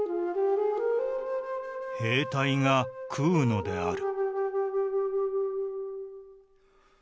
兵隊が食うのである」。